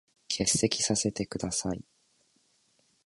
欠席させて下さい。